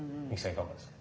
いかがですか？